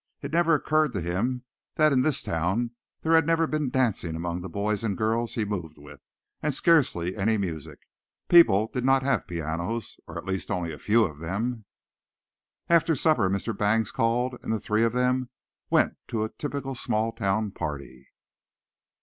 It never occurred to him that in this town there had never been dancing among the boys and girls he moved with, and scarcely any music. People did not have pianos or at least only a few of them. After supper Mr. Bangs called, and the three of them went to a typical small town party.